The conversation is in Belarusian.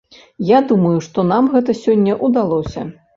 Я думаю, што нам гэта сёння ўдалося.